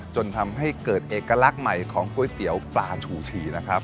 จนทำให้เกิดเอกลักษณ์ใหม่ของก๋วยเตี๋ยวปลาชูชีนะครับ